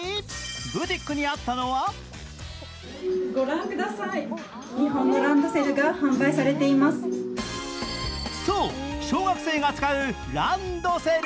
ブティックにあったのはそう、小学生が使うランドセル。